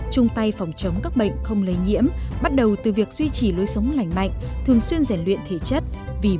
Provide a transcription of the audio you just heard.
chung tay phòng chống các bệnh không lây nhiễm bắt đầu từ việc duy trì lối sống lành mạnh thường xuyên rèn luyện thể chất vì một việt nam khỏe mạnh